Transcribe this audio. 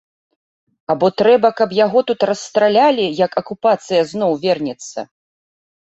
Або трэба, каб яго тут расстралялі, як акупацыя зноў вернецца?